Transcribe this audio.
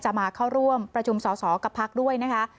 มาเข้าร่วมประชุมสอสอกับพักด้วยนะคะ